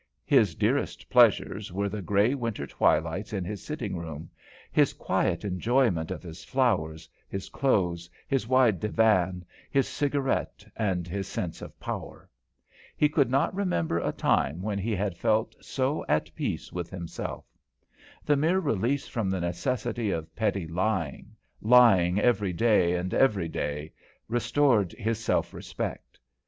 His dearest pleasures were the grey winter twilights in his sitting room; his quiet enjoyment of his flowers, his clothes, his wide divan, his cigarette and his sense of power. He could not remember a time when he had felt so at peace with himself. The mere release from the necessity of petty lying, lying every day and every day, restored his self respect.